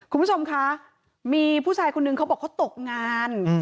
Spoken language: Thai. คุณผู้ชมคะมีผู้ชายคนนึงเขาบอกเขาตกงาน